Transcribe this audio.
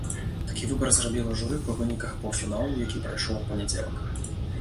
Такі выбар зрабіла журы па выніках паўфіналу, які прайшоў у панядзелак.